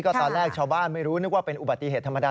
ตอนแรกชาวบ้านไม่รู้นึกว่าเป็นอุบัติเหตุธรรมดา